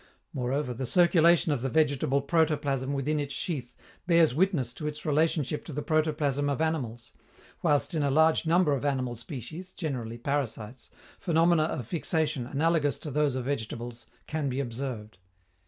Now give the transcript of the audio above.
Moreover, the circulation of the vegetable protoplasm within its sheath bears witness to its relationship to the protoplasm of animals, whilst in a large number of animal species (generally parasites) phenomena of fixation, analogous to those of vegetables, can be observed.